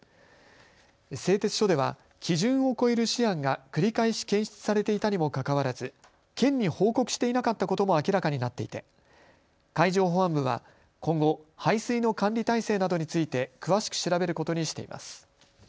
製鉄所では基準を超えるシアンが繰り返し検出されていたにもかかわらず県に報告していなかったことも明らかになっていて海上保安部は今後、排水の管理体制などについて詳しく調べることにしています。